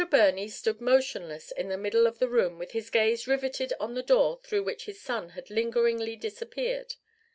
BIRNEY stood motionless in the middle of the room with his gaze riveted on the door through which his son had lingeringly disappeared.